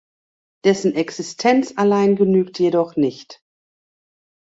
Dessen Existenz allein genügt jedoch nicht.